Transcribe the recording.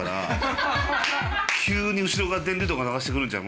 急に後ろから電流とか流してくるんちゃう？